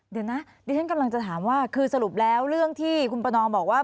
เดี๋ยวนะดิฉันกำลังจะถามว่าคือสรุปแล้วเรื่องที่คุณประนอมบอกว่า